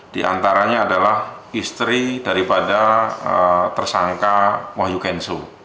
di antaranya adalah istri daripada tersangka wahyu kenso